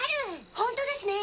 ホントですね。